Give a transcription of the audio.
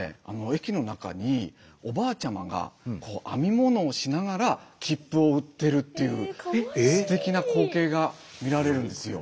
駅の中におばあちゃまが編み物をしながら切符を売ってるっていうすてきな光景が見られるんですよ。